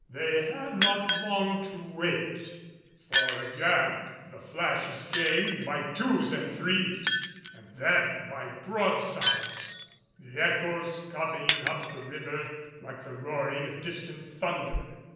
They had not long to wait. For again the flashes came, by twos and threes, and then by broadsides, the echoes coming up the river like the roaring of distant thunder.